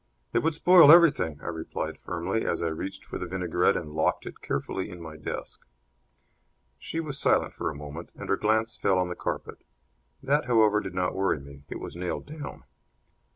"It would spoil everything," I replied, firmly, as I reached for the vinaigrette and locked it carefully in my desk. She was silent for a moment, and her glance fell on the carpet. That, however, did not worry me. It was nailed down.